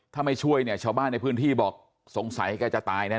ถ้าไม่ช่วยเนี่ยชาวบ้านในพื้นที่บอกสงสัยแกจะตายแน่